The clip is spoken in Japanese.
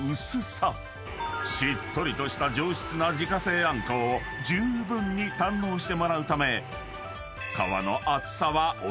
［しっとりとした上質な自家製あんこをじゅうぶんに堪能してもらうため］